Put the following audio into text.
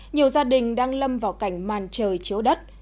nhiều gia đình đang lâm vào cảnh màn trời chiếu đất